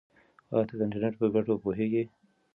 آیا ته د انټرنیټ په ګټو پوهېږې؟